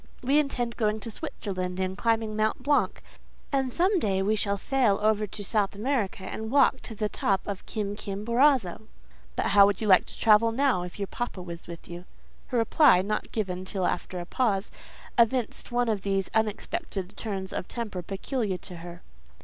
We intend going to Switzerland, and climbing Mount Blanck; and some day we shall sail over to South America, and walk to the top of Kim kim borazo." "But how would you like to travel now, if your papa was with you?" Her reply—not given till after a pause—evinced one of those unexpected turns of temper peculiar to her.